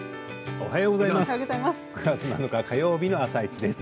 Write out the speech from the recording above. おはようございます。